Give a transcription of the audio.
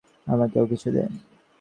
আমাকেও কিছু দে।